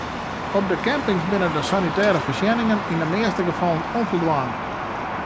Op de campings binne de sanitêre foarsjenningen yn de measte gefallen ûnfoldwaande.